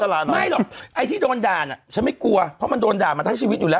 ไม่หรอกไอ้ที่โดนด่าน่ะฉันไม่กลัวเพราะมันโดนด่ามาทั้งชีวิตอยู่แล้ว